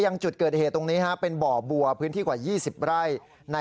มันคงบอกถ่ายแล้ว